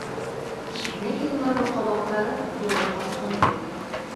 Ләкин уларҙың ҡабаҡтары туңып ҡатҡан кеүек.